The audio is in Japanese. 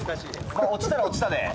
まあ、落ちたら落ちたで。